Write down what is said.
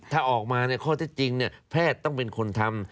ถ้าออกมาเนี่ยข้อที่จริงเนี่ยแพทย์ต้องเป็นคนทำ